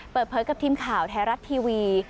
เปิดเผยกับทีมข่าวไทยรัฐทีวี